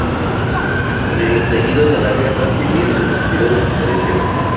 Con el estallido de la guerra civil el partido desapareció.